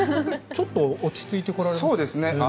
ちょっと落ち着いてこられました？